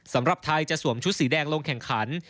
สำหรับไทยจะสวมชุดสีแดงลงแข่งขัน